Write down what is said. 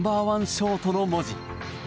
ショートの文字。